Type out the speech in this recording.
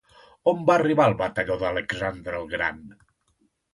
On va arribar el batalló d'Alexandre el Gran?